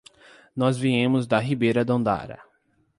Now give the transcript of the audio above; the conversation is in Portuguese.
Nós viemos da Ribera d'Ondara.